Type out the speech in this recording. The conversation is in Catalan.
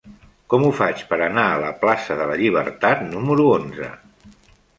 Com ho faig per anar a la plaça de la Llibertat número onze?